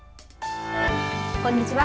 こんにちは。